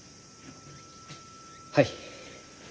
はい。